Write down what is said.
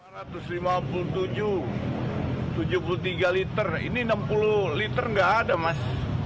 lima ratus lima puluh tujuh tujuh puluh tiga liter ini enam puluh liter nggak ada mas